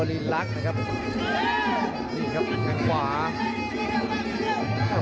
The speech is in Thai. นี่ครับแข่งขวา